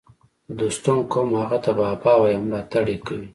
د دوستم قوم هغه ته بابا وايي او ملاتړ یې کوي